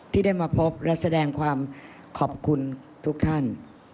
ที่ได้มาพบและแสดงความขอบคุณ